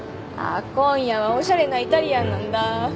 あっ今夜はおしゃれなイタリアンなんだ。